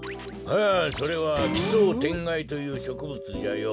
あそれは奇想天外というしょくぶつじゃよ。